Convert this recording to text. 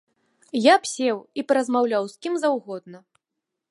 Я б сеў і паразмаўляў з кім заўгодна.